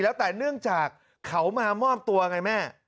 แล้วแต่เนื่องจากเขามามอบตัวไงแม่